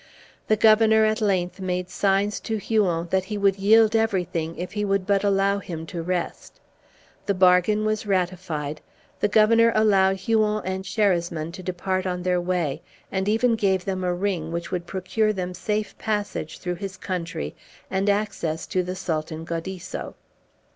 The Governor at length made signs to Huon that he would yield everything if he would but allow him to rest. The bargain was ratified; the Governor allowed Huon and Sherasmin to depart on their way, and even gave them a ring which would procure them safe passage through his country and access to the Sultan Gaudisso.